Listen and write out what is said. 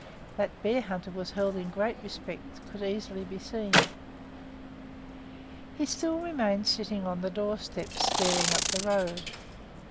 That Bearhunter was held in great respect could easily be seen. He still remained sitting on the doorstep, staring up the road.